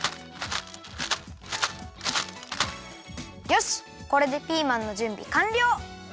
よしこれでピーマンのじゅんびかんりょう！